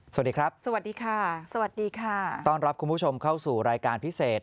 สวัสดีครับสวัสดีค่ะสวัสดีค่ะต้อนรับคุณผู้ชมเข้าสู่รายการพิเศษ